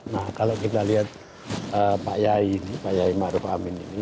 nah kalau kita lihat pak yai pak yai ma'ruf amin ini